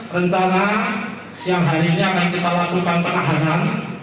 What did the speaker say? rencana siang hari ini akan kita lakukan penahanan